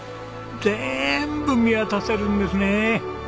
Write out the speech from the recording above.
ぜんぶ見渡せるんですね。